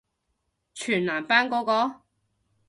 全男班嗰個？